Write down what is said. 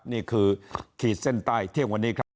นี่คือขีดเส้นใต้เที่ยงวันนี้ครับ